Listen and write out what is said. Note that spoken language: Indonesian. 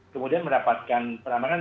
kemudian mendapatkan penambangan